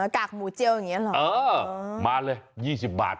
กากหมูเจียวอย่างนี้หรอมาเลย๒๐บาท